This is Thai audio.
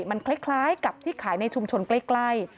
มันคล้ายกับที่ขายในชุมชนใกล้